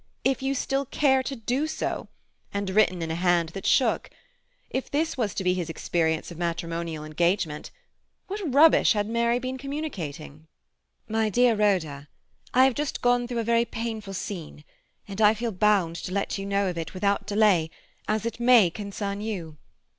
"If you still care to do so"—and written in a hand that shook. If this was to be his experience of matrimonial engagement—What rubbish had Mary been communicating? "My DEAR RHODA,—I have just gone through a very painful scene, and I feel bound to let you know of it without delay, as it may concern you.